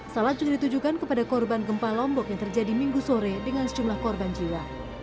salat juga ditujukan kepada korban gempa lombok yang terjadi minggu sore dengan sejumlah korban jiwa